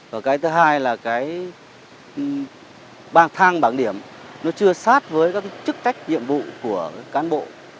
và cái thứ hai là cái bảng thang bảng điểm nó chưa sát với các chức trách nhiệm vụ của cán bộ